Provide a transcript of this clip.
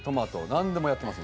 何でもやってます